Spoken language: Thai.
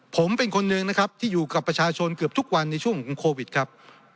ผมเป็นคนหนึ่งนะครับที่อยู่กับประชาชนเกือบทุกวันในช่วงของโควิดครับ